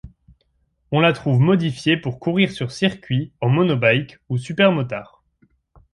On la trouve modifiée pour courir sur circuit, en monobike ou supermotard.